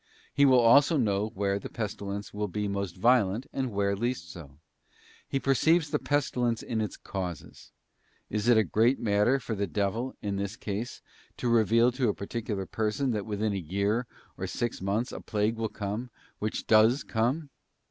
He will also know where the pestilence will be most violent and where least so. He perceives the pestilence in its causes. Is it a great matter for the devil, in this case, to reveal to a particular person that within a year or six months a plague will come, which does come?